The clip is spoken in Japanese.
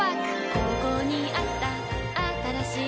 ここにあったあったらしい